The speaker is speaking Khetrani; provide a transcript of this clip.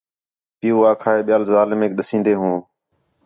پِیؤ آکھا ہِے ٻِیال ظالمیک ݙسین٘دے ہوں